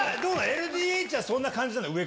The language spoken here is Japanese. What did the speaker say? ＬＤＨはそんな感じなの？